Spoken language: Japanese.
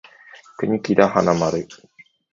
国木田花丸